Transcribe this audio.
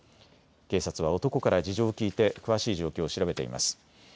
警察は男から事情を聞いて詳しい状況を調べています。